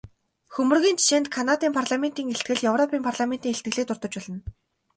Хөмрөгийн жишээнд Канадын парламентын илтгэл, европын парламентын илтгэлийг дурдаж болно.